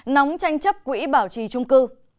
nóng tranh chấp quỹ bảo trì trung cư